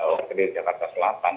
orang dari jakarta selatan